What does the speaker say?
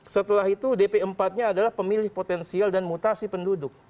setelah itu dp empat nya adalah pemilih potensial dan mutasi penduduk